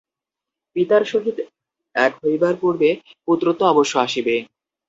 পিতার সহিত এক হইবার পূর্বে পুত্রত্ব অবশ্য আসিবে।